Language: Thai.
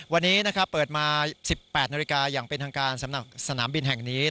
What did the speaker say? วันนี้เปิดมา๑๘นาฬิกาอย่างเป็นทางการสนามบินแห่งนี้